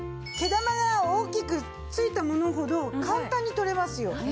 毛玉が大きく付いたものほど簡単に取れますよ。